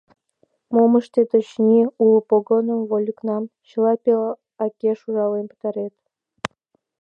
Мом ыштет, очыни, уло погынам, вольыкнам — чыла пел акеш ужален пытарат.